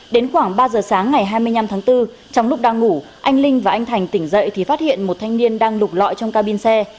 đến khoảng ba giờ sáng ngày hai mươi năm tháng bốn trong lúc đang ngủ anh linh và anh thành tỉnh dậy thì phát hiện một thanh niên đang đục lọi trong cabin xe